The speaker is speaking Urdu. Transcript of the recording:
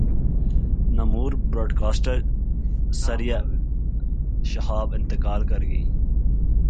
نامور براڈکاسٹر ثریا شہاب انتقال گرگئیں